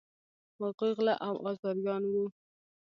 هغوی غله او آزاریان وه.